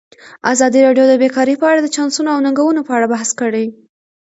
ازادي راډیو د بیکاري په اړه د چانسونو او ننګونو په اړه بحث کړی.